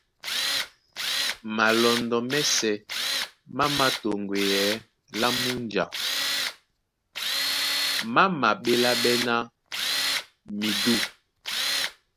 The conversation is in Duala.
Malɔndɔ́ mɛ́sɛ̄ má mātoŋgweyɛɛ́ lá múnja, má maɓéláɓɛ́ ná midû.